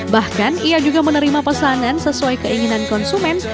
bahkan ia juga menerima pesanan sesuai keinginan konsumen